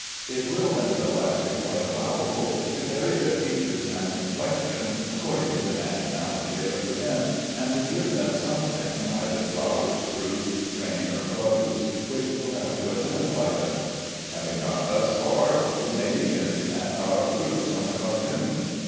It will, nevertheless, be quite allowable to vary their features and complexion according to the nationality they represent, and to give them something, either flowers, fruit, grain, or produce, which will help to identify them. Having got thus far, we may begin to map out our groups on the cartoon.